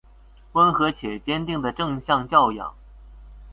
溫和且堅定的正向教養